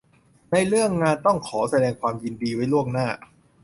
ในเรื่องงานต้องขอแสดงความยินดีไว้ล่วงหน้า